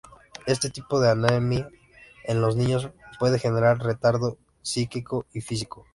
Este tipo de anemia en los niños puede generar retardo psíquico y físico.